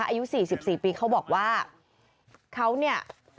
อายุ๔๔ปีเขาบอกว่าเขาเนี่ย